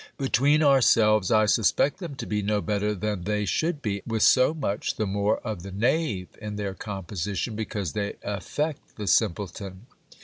Between ourselves, I suspect them to be no better than they should be ; with so much the more of the knave in their composition, because they affect the simpleton.